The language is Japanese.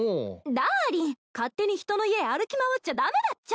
ダーリン勝手に人の家歩き回っちゃ駄目だっちゃ。